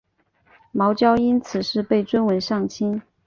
茅焦因此事被尊为上卿。